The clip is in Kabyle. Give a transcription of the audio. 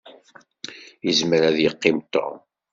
Izmer ad yeqqim Tom.